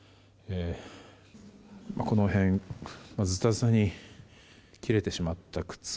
この辺ずたずたに切れてしまった靴。